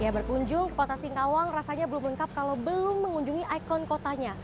berkunjung ke kota singkawang rasanya belum lengkap kalau belum mengunjungi ikon kotanya